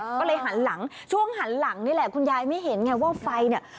ก็เลยหันหลังช่วงหันหลังนี่แหละคุณยายไม่เห็นไงว่าไฟเนี่ย